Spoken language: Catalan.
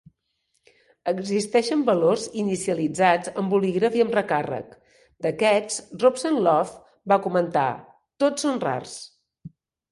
Existeixen valors inicialitzats amb bolígraf i amb recàrrec; d'aquests Robson Lowe va comentar, Tots són rars.